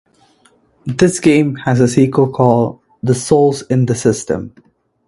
This game has a sequel called "Souls in the System".